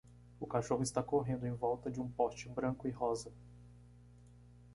O cachorro está correndo em volta de um poste branco e rosa.